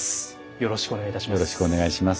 よろしくお願いします。